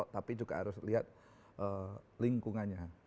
tapi juga harus lihat lingkungannya